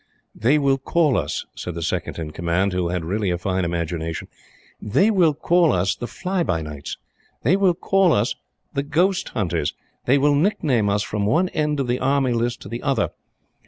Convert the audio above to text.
"They will call us," said the Second in Command, who had really a fine imagination, "they will call us the 'Fly by Nights'; they will call us the 'Ghost Hunters'; they will nickname us from one end of the Army list to the other.